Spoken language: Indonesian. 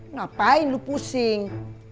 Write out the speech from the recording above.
ngapain lu pusing